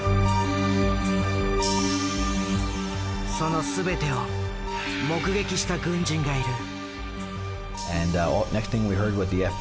その全てを目撃した軍人がいる。